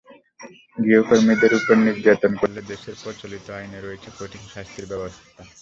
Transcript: গৃহকর্মীদের ওপর নির্যাতন করলে দেশের প্রচলিত আইনে রয়েছে কঠিন শাস্তির ব্যবস্থা।